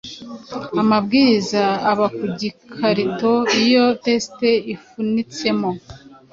amabwiriza aba ku gikarito iyo test ifunitsemo